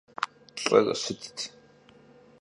Lh'ır şıtt.